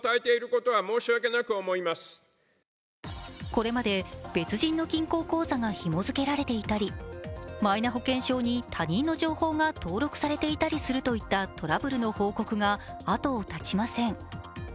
これまで、別人の銀行口座がひも付けられていたりマイナ保険証に他人の情報が登録されていたりするといったトラブルの報告が後を絶ちません。